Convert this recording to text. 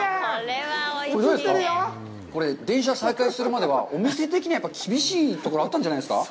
これ、電車が再開するまでは、お店的に厳しいところあったんじゃないですか。